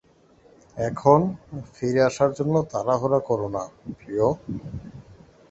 এখন, ফিরে আসার জন্য তাড়াহুড়ো করোনা, প্রিয়।